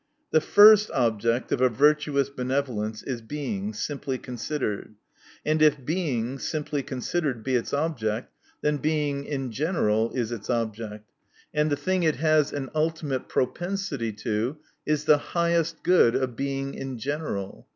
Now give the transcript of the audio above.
The first object of a virtuous benevolence is Being, simply considered : and if Being, simply considered, be its object, then Being in general is its object ; and the thing it has an ultimate propensity to, is the highest good of Being in gene ral.